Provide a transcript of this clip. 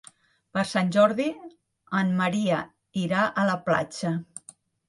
Per Sant Jordi en Maria irà a la platja.